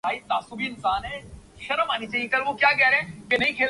دی ہے جایے دہن اس کو دمِ ایجاد ’’ نہیں ‘‘